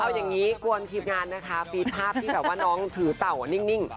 เอาอย่างนี้กวนทีมงานนะคะฟีดภาพที่แบบว่าน้องถือเต่านิ่ง